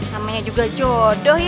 namanya juga jodoh ya